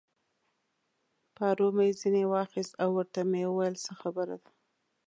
پارو مې ځینې واخیست او ورته مې وویل: څه خبره ده؟